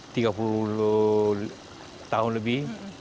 tiga puluh tahun lebih